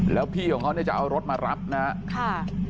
แล้วพี่ของเค้าจะเอารถมารับนะฮะ